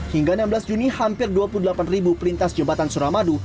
hingga enam belas juni hampir dua puluh delapan pelintas jembatan suramadu